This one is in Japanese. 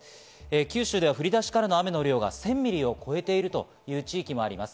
九州で降り出しからの量が１０００ミリを超えているという地域もあります。